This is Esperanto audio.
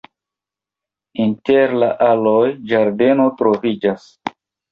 Inter la aloj ĝardeno troviĝas.